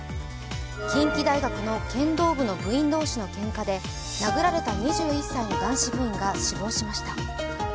近畿大学の剣道部の部員同士のけんかで殴られた２１歳の男子部員が死亡しました。